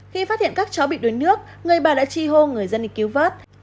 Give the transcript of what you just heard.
khi phát hiện các cháu bị đuối nước người bà đã tri hô người dân đi cứu vớt